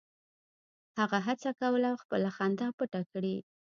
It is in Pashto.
هغه هڅه کوله خپله خندا پټه کړي